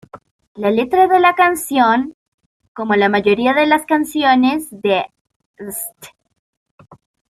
La letra de la canción, como la mayoría de las canciones de "St.